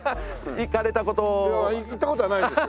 行った事はないんですけどね。